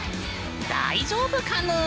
大丈夫かぬん？